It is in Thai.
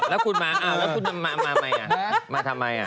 แล้วคุณมาทำไม